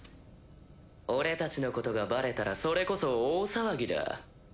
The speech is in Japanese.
俺たちのことがバレたらそれこそ大騒ぎだ。